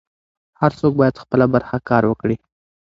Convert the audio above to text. هر څوک بايد خپله برخه کار وکړي.